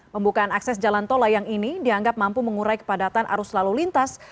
pembukaan akses jalan tol layang ini dianggap mampu mengurai kepadatan arus lalu lintas